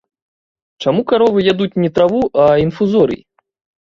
Чаму каровы ядуць, не траву, а інфузорый?